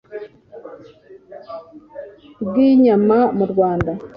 bw inyama mu Rwanda